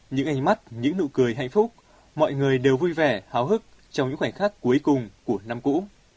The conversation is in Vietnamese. những ánh mắt những nụ cười hạnh phúc mọi người đều vui vẻ háo hức trong những khoảnh khắc cuối cùng của năm cũ